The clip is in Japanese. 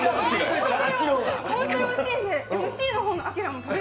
本当においしいんで。